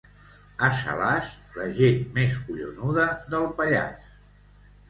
A Salàs, la gent més collonuda del Pallars.